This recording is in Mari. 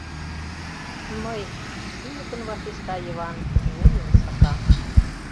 — Мый... — шӱлыкын вашешта Йыван, вуйым сака.